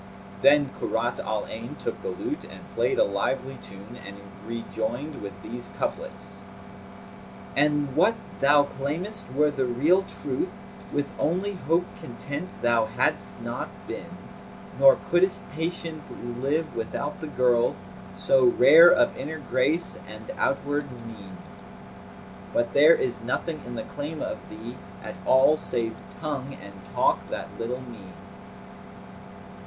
Then Kurrat al Ayn took the lute and played a lively tune and rejoined with these couplets, "An what thou claimest were the real truth, * With only Hope content thou hadst not been Nor couldest patient live without the girl * So rare of inner grace and outward mien. But there is nothing in the claim of thee * At all, save tongue and talk that little mean."